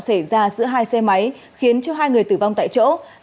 xảy ra giữa hai xe máy khiến hai người tử vong tại chỗ